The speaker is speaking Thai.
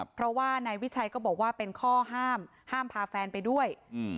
เพราะว่านายวิชัยก็บอกว่าเป็นข้อห้ามห้ามพาแฟนไปด้วย